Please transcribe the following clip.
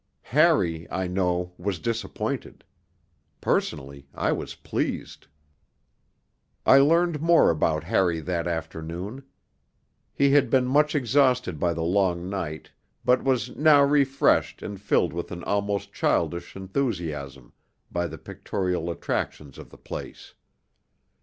Harry, I know, was disappointed; personally, I was pleased. I learned more about Harry that afternoon. He had been much exhausted by the long night, but was now refreshed and filled with an almost childish enthusiasm by the pictorial attractions of the place.